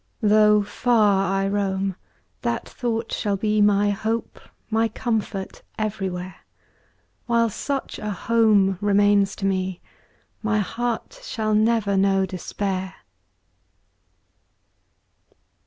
Though far I roam, that thought shall be My hope, my comfort, everywhere; While such a home remains to me, My heart shall never know despair!